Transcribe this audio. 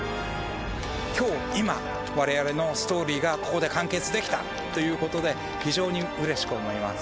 きょう今、われわれのストーリーがここで完結できたということで、非常にうれしく思います。